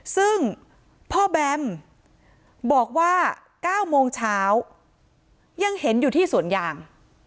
ซึ่งพ่อแบมบอกว่า๙โมงเช้ายังเห็นอยู่ที่สวนยาง